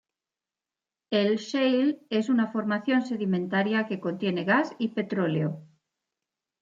El shale es una formación sedimentaria que contiene gas y petróleo.